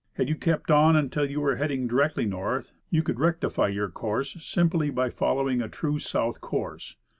Had you kept on until you were heading directly north, you could rectify your course simply by following a true south course.